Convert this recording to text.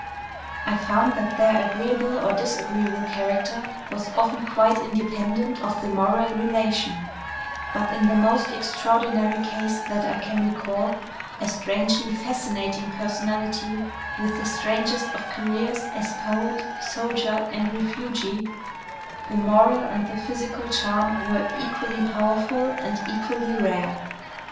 I found that their agreeable or disagreeable character was often quite independent of the moral relation: but in the most extraordinary case that I can recall (a strangely fascinating personality with the strangest of careers as poet, soldier, and refugee) the moral and the physical charm were equally powerful and equally rare.